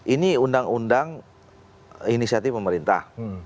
ini undang undang inisiatif pemerintah